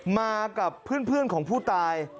มากับเพื่อนของผู้ตาย